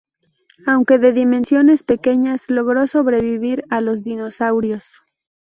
Aunque de dimensiones pequeñas logró sobrevivir a los dinosaurios.